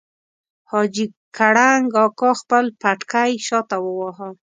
حاجي کړنګ اکا خپل پټکی شاته وواهه.